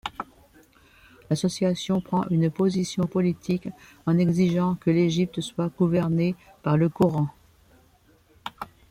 L'association prend une position politique en exigeant que l'Égypte soit gouvernée par le Coran.